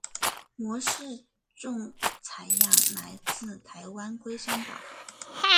模式种采样自台湾龟山岛。